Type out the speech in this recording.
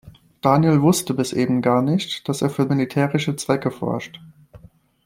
Daniel wusste bis eben gar nicht, dass er für militärische Zwecke forscht.